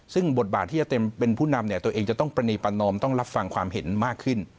ซึ่งบทบาทที่จะเต็มเป็นผู้นำเนี่ยตัวเองจะต้องประณีประนอมต้องรับฟังความเห็นมากขึ้น